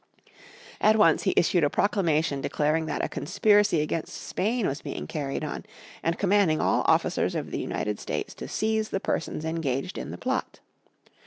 At once he issued a proclamation declaring that a conspiracy against Spain was being carried on, and commanding all officers of the United States to seize the persons engaged in the plot.